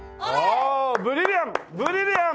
おーブリリアン！